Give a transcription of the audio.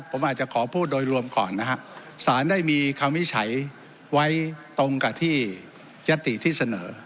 ผมอาจจะขอพูดโดยรวมก่อนนะฮะสารได้มีคำวิจัยไว้ตรงกับที่ยัตติที่เสนอ